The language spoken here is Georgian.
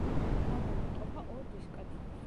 ალბომი იყოფა ორ დისკად.